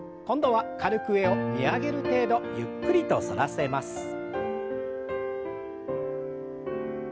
今度は軽く上を見上げる程度ゆっくりと反らせます。